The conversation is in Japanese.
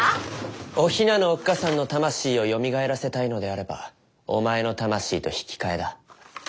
お雛のおっ母さんの魂をよみがえらせたいのであればお前の魂と引き換えだ。